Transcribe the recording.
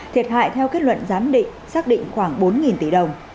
thiệt hại theo kết luận giám định xác định khoảng bốn tỷ đồng